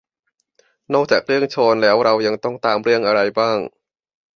นอกจากเรื่องฌอนแล้วเรายังต้องตามเรื่องอะไรบ้าง